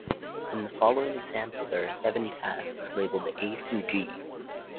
In the following example there are seven tasks, labeled "A" through "G".